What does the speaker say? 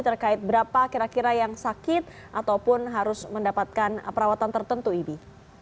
terkait berapa kira kira yang sakit ataupun harus mendapatkan perawatan tertentu ibi